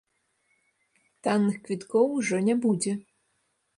Танных квіткоў ужо не будзе.